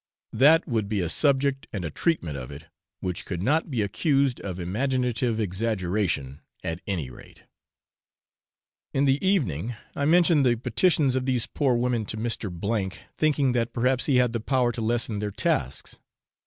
That would be a subject, and a treatment of it, which could not be accused of imaginative exaggeration, at any rate. In the evening I mentioned the petitions of these poor women to Mr. O , thinking that perhaps he had the power to lessen their tasks.